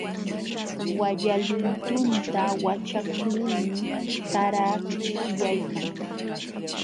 Walla luntunta waćhaqlulmi tarakyaykan.